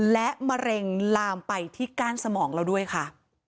และมะเร็งลามไปที่ก้านสมองเราด้วยค่ะ